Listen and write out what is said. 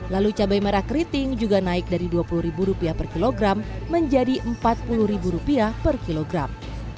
lalu cabai merah keriting juga naik dari rp dua puluh per kilogram menjadi rp empat puluh per kilogram